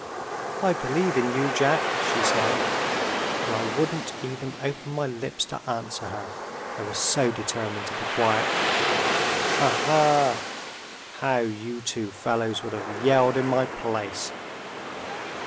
'I believe in you, Jack,' she said. And I wouldn't even open my lips to answer her I was so determined to be quiet. Ha! ha! how you two fellows would have yelled, in my place!"